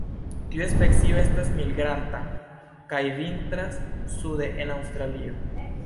Tiu specio estas migranta, kaj vintras sude en Aŭstralio.